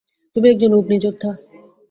তুমি একজন অগ্নিযোদ্ধা।